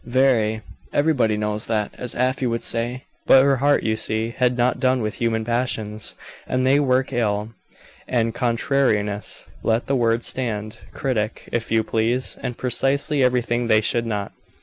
Very. Everybody knows that, as Afy would say. But her heart, you see, had not done with human passions, and they work ill, and contrariness, let the word stand, critic, if you please, and precisely everything they should not.